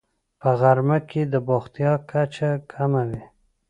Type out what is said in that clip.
په غرمه کې د بوختیا کچه کمه وي